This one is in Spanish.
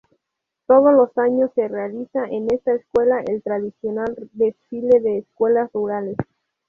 Todos los años se realiza en esta escuela el tradicional desfile de escuelas rurales.